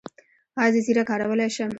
ایا زه زیره کارولی شم؟